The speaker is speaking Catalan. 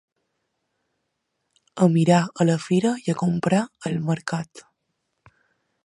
A mirar a la fira i a comprar al mercat.